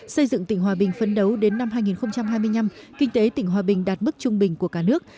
xây dựng tỉnh hòa bình phấn đấu đến năm hai nghìn hai mươi năm kinh tế tỉnh hòa bình đạt mức trung bình của cả nước